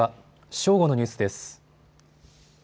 正午のニュースです。